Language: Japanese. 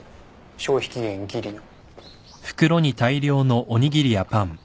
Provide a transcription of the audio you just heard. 消費期限ぎりの。